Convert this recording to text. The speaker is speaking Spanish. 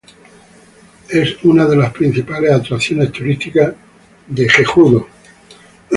Es una de las principales atracciones turísticas de Jeju-do.